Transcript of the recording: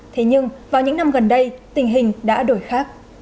thế nhưng vào những năm gần đây tình hình đã đổi khác